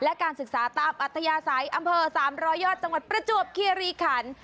และการศึกษาตามอัธยาศัยอำเภอ๓๐๐ยอดจังหวัดประจวบคีรีขัน